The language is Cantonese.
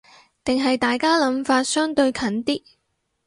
定係大家諗法相對近啲